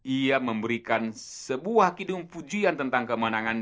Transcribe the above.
ia memberikan sebuah kidung pujian tentang kemenangan